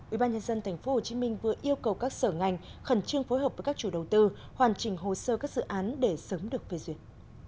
ủy ban nhân dân tp hcm vừa yêu cầu các sở ngành khẩn trương phối hợp với các chủ đầu tư hoàn trình hồ sơ các dự án để sớm được phê duyệt